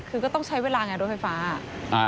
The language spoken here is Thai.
คือก็ต้องใช้เวลาไงรถไฟฟ้า